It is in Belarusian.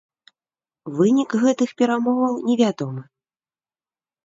Вынік гэтых перамоваў невядомы.